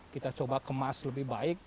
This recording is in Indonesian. kita coba kemas lebih baik